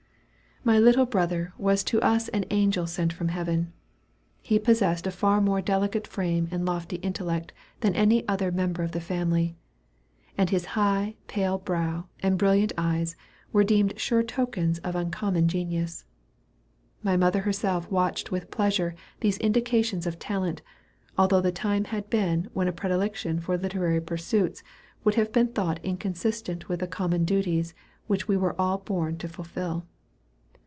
My little brother was to us an angel sent from heaven. He possessed a far more delicate frame and lofty intellect than any other member of the family; and his high, pale brow, and brilliant eyes, were deemed sure tokens of uncommon genius. My mother herself watched with pleasure these indications of talent, although the time had been when a predilection for literary pursuits would have been thought inconsistent with the common duties which we were all born to fulfil.